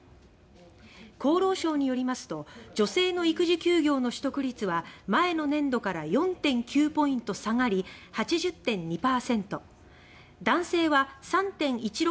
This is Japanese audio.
厚労省によりますと女性の育児休業の取得率は前の年度から４．９ポイント下がり８０．２％男性は３．１６